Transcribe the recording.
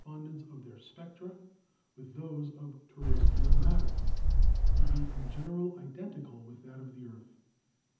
THE NATURE OF LIGHT 105 dence of their spectra with those of terrestrial matter, to be in general identical with that of the earth.